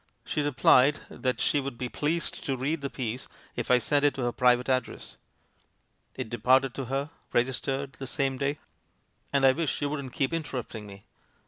"She replied that she would be pleased to read the piece if I sent it to her private address. It departed to her, registered, the same day. And I wish you wouldn't keep interrupting me! ...